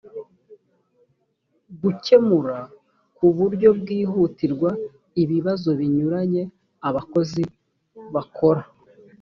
gukemura ku buryo bwihutirwa ibibazo binyuranye abakozi bakora